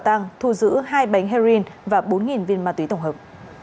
tăng thu giữ hai bánh heroin và bốn viên ma túy tổng hợp